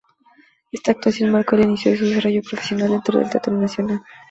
Esta actuación marcó el inicio de su desarrollo profesional dentro del teatro nacional.